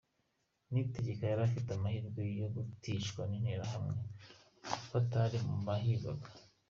Niyitegeka yarafite amahirwe yo kuticwa n’Interahamwe kuko atari ari mu bahigwaga.